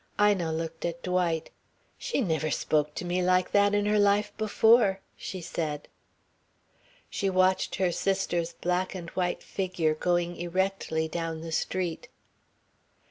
Ina looked at Dwight. "She never spoke to me like that in her life before," she said. She watched her sister's black and white figure going erectly down the street.